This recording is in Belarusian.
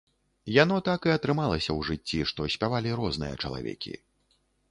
Яно так і атрымалася ў жыцці, што спявалі розныя чалавекі.